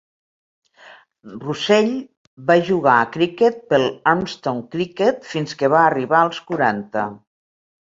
Russell va jugar a criquet pel Urmston Cricket fins que va arribar als quaranta.